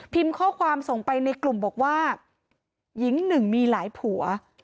ข้อความส่งไปในกลุ่มบอกว่าหญิงหนึ่งมีหลายผัว